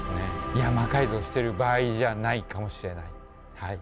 いや魔改造してる場合じゃないかもしれないはい。